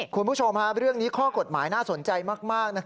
คุณผู้ชมเรื่องนี้ข้อกฎหมายน่าสนใจมาก